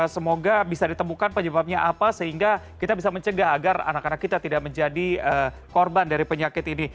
semoga bisa ditemukan penyebabnya apa sehingga kita bisa mencegah agar anak anak kita tidak menjadi korban dari penyakit ini